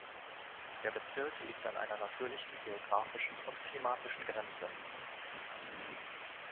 Der Bezirk liegt an einer natürlichen geographischen und klimatischen Grenze.